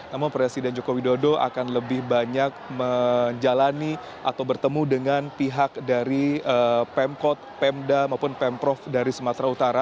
namun presiden joko widodo akan lebih banyak menjalani atau bertemu dengan pihak dari pemkot pemda maupun pemprov dari sumatera utara